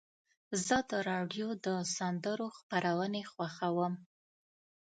زه د راډیو د سندرو خپرونې خوښوم.